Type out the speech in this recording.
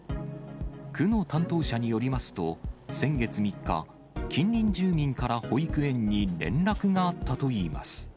区の担当者によりますと、先月３日、近隣住民から保育園に連絡があったといいます。